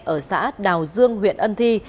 ở xã đào dương huyện ân thi